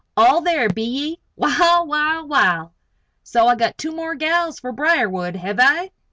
All there, be ye? Wal, wal, wal! So I got two more gals fer Briarwood; hev I?"